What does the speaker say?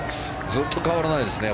ずっと変わらないですね。